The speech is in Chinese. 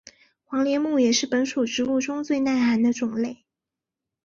黄连木也是本属植物中最耐寒的种类。